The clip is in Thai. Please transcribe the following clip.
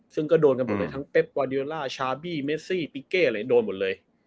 ซึ่งก็โดนกันหมดเลยทั้งเป๊บวาเดียล่าชาบี้เมซี่ปิเก้อะไรโดนหมดเลย